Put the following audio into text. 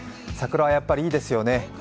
桜はやっぱりいいですよね。